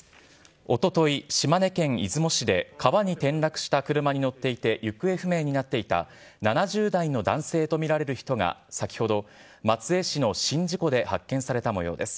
おととい、島根県出雲市で川に転落した車に乗っていて行方不明になっていた７０代の男性と見られる人が、先ほど松江市の宍道湖で発見されたもようです。